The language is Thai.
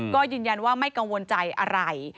ก็ยืนยันว่าไม่กังวลใจอะไร